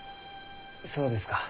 そうですか。